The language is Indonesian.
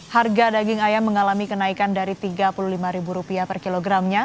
harga daging ayam mengalami kenaikan dari rp tiga puluh lima per kilogramnya